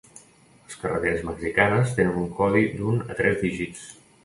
Les carreteres mexicanes tenen un codi d'un a tres dígits.